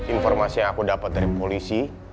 informasi yang aku dapat dari polisi